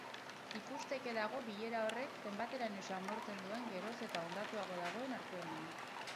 Ikusteke dago bilera horrek zenbaiteraino xamurtzen duen geroz eta ondatuago dagoen hartuemana.